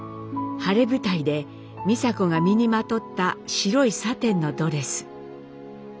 晴れ舞台で美佐子が身にまとった白いサテンのドレス。